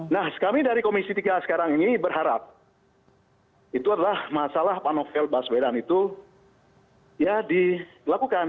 nah kami dari komisi tiga sekarang ini berharap itu adalah masalah pak novel baswedan itu ya dilakukan